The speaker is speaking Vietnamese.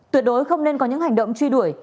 tuyệt đối không nên có những hành động truy đuổi